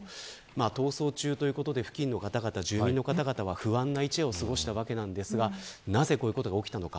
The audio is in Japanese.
逃走中ということで付近の方々、住民の方々は不安な一夜を過ごしたわけですがなぜこういうことが起きたのか。